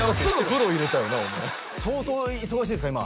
相当忙しいですか？